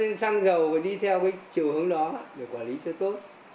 cho nên xăng dầu phải đi theo cái chiều hướng đó để quản lý cho tốt